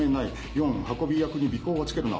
４運び役に尾行はつけるな。